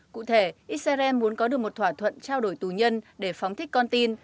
cụ thể israel muốn có được một thỏa thuận trao đổi tù nhân để phóng thích con tin